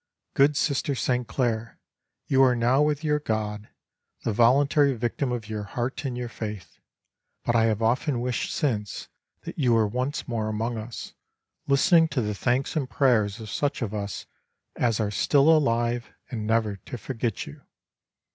Good Sister St. Claire, you are now with your God, the voluntary victim of your heart and your faith, but I have often wished since that you were once more among us, listening to the thanks and prayers of such of us as are still alive and never to forget you.